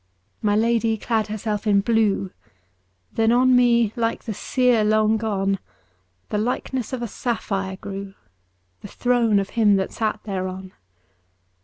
My Lady clad herself in blue, Then on me, like the seer long gone, The likeness of a sapphire grew. The throne of him that sat thereon.